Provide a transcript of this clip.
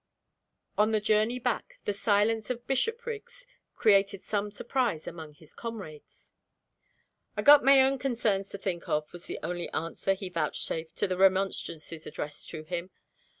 On the journey back the silence of Bishopriggs created some surprise among his comrades. "I've got my ain concerns to think of," was the only answer he vouchsafed to the remonstrances addressed to him.